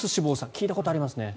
聞いたことありますね。